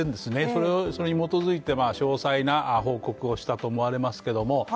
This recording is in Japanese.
それをそれに基づいて詳細な報告をしたと思われますけども。